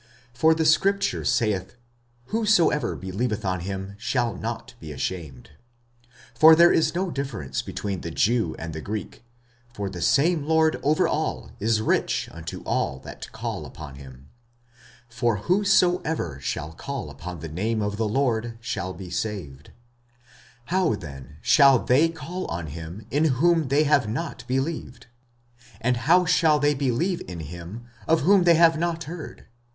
45:010:011 For the scripture saith, Whosoever believeth on him shall not be ashamed. 45:010:012 For there is no difference between the Jew and the Greek: for the same Lord over all is rich unto all that call upon him. 45:010:013 For whosoever shall call upon the name of the Lord shall be saved. 45:010:014 How then shall they call on him in whom they have not believed? and how shall they believe in him of whom they have not heard?